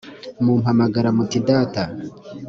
mumpamagara muti data